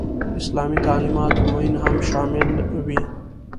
اسلامي تعلیماتو معین هم شامل وي.